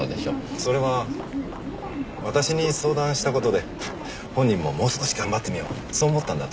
それは私に相談した事で本人ももう少し頑張ってみようそう思ったんだと。